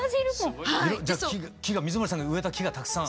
じゃあ木が水森さんが植えた木がたくさん。